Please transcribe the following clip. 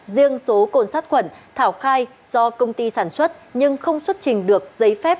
riêng số cồn sát khuẩn thảo khai do công ty sản xuất nhưng không xuất trình được giấy phép